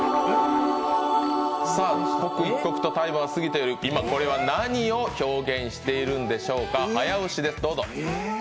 刻一刻とタイムはすぎて、今これは何を表現しているんでしょうか。